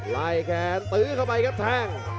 ไล่แขนตื้อเข้าไปครับแทง